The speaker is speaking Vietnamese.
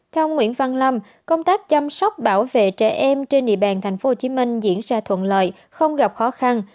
theo ông nguyễn văn lâm công tác chăm sóc bảo vệ trẻ em trên địa bàn tp hcm diễn ra thuận lợi không gặp khó khăn